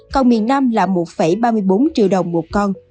còn miền nam là một ba mươi bốn triệu đồng một con